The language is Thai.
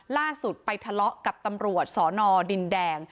ล่าสุดไปทะเลาะกับตำรวจสอนอดินแดง